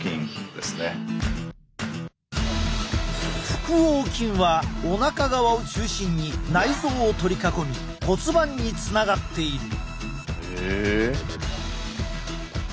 腹横筋はおなか側を中心に内臓を取り囲み骨盤につながっている。